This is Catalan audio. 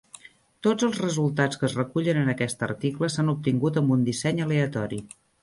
Tots els resultats que es recullen en aquest article s'han obtingut amb un disseny aleatori.